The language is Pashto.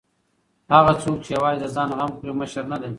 هغه څوک چې یوازې د ځان غم خوري مشر نه دی.